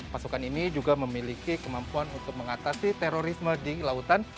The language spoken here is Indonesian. pasukan ini juga memiliki kemampuan untuk mengatasi terorisme di lautan